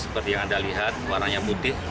seperti yang anda lihat warnanya putih